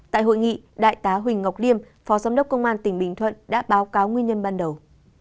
tại hội nghị đại tá huỳnh ngọc liêm phó giám đốc công an tỉnh bình thuận đã báo cáo nguyên nhân ban đầu